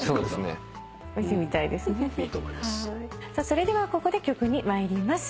それではここで曲に参ります。